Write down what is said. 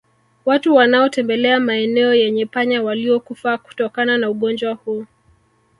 Watu wanaotembelea maeneo yenye panya waliokufa kutokana na ugonjwa huu